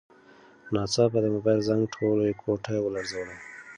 ناڅاپه د موبایل زنګ ټوله کوټه ولړزوله.